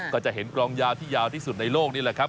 ก็จะเห็นกลองยาวที่ยาวที่สุดในโลกนี่แหละครับ